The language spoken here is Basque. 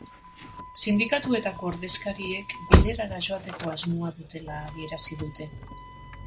Sindikatuetako ordezkariek bilerara joateko asmoa dutela adierazi dute.